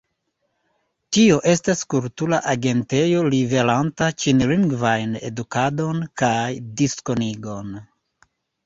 Tio estas kultura agentejo liveranta ĉinlingvajn edukadon kaj diskonigon.